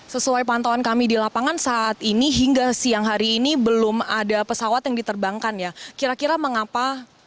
sesuai pantauan kami di lapangan saat ini hingga siang hari ini belum ada pesawat yang diterbangkan ya kira kira mengapa